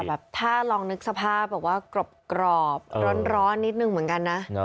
แบบถ้าลองนึกสภาพแบบว่ากรอบร้อนนิดนึงเหมือนกันนะ